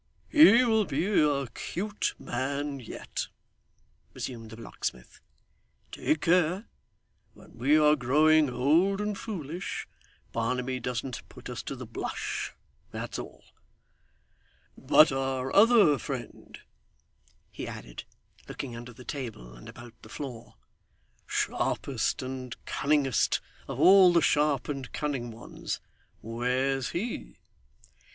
'He will be a 'cute man yet,' resumed the locksmith. 'Take care, when we are growing old and foolish, Barnaby doesn't put us to the blush, that's all. But our other friend,' he added, looking under the table and about the floor 'sharpest and cunningest of all the sharp and cunning ones where's he?